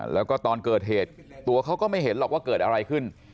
แล้วก็ตอนเกิดเหตุตัวเขาก็ไม่เห็นหรอกว่าเกิดอะไรขึ้น